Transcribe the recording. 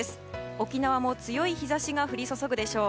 沖縄も強い日差しが降り注ぐでしょう。